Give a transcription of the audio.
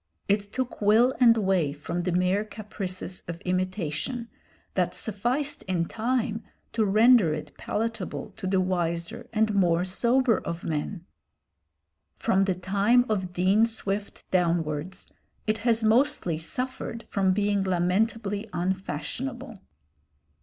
It took will and way from the mere caprices of imitation, that sufficed in time to render it palatable to the wiser and more sober of men. From the time of Dean Swift downwards, it has mostly suffered from being lamentably unfashionable.